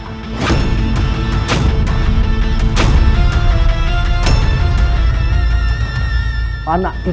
aku akan menangkapmu